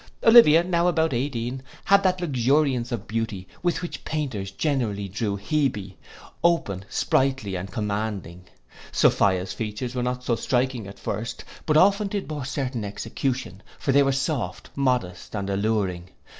Olivia, now about eighteen, had that luxuriancy of beauty with which painters generally draw Hebe; open, sprightly, and commanding. Sophia's features were not so striking at first; but often did more certain execution; for they were soft, modest, and alluring.